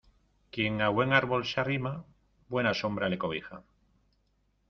Quien a buen árbol se arrima buena sombra le cobija.